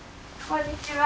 こんにちは。